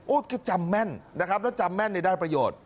โอ้โหก็จำแม่นนะครับแล้วจำแม่นได้ประโยชน์